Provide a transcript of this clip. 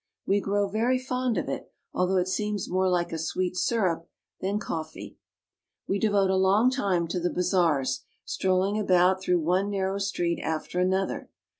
We grow very fond of it, although it seems more like a sweet syrup than coffee. We devote a long time to the bazaars, strolling about through one narrow street after another.